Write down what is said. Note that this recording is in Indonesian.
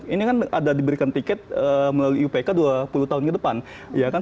ini kan ada diberikan tiket melalui iupk dua puluh tahun ke depan